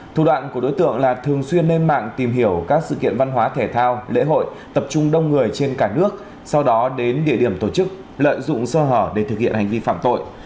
thủ đoạn của đối tượng là thường xuyên lên mạng tìm hiểu các sự kiện văn hóa thể thao lễ hội tập trung đông người trên cả nước sau đó đến địa điểm tổ chức lợi dụng sơ hở để thực hiện hành vi phạm tội